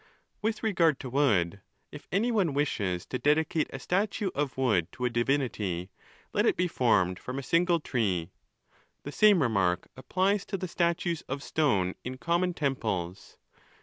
With regard to wood, if any one wishes to dedicate a statue of wood to a divinity, let it be formed from a single tree. The same remark applies to the statues of stone in common temples.